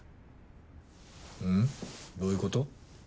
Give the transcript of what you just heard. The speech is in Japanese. どういうこと？